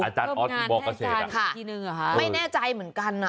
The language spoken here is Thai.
อาจารย์ออสบอกกระเศษไม่แน่ใจเหมือนกันอ่ะ